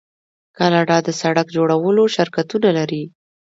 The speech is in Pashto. کاناډا د سړک جوړولو شرکتونه لري.